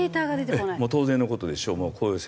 もう当然の事でしょう。